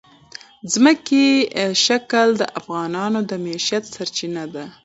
ځمکنی شکل د افغانانو د معیشت سرچینه ده.